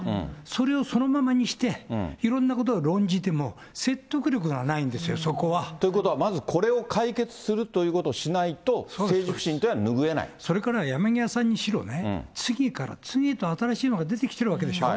それをそのままにして、いろんなことを論じても、説得力がないんですよ、そこは。ということは、まずこれを解決するということをしないと、政治不信というのは拭それから山際さんにしろね、次から次へと新しいのが出てきてるわけでしょ。